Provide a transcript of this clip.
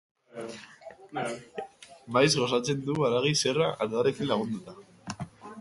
Maiz gosaltzen du haragi xerra ardoarekin lagunduta.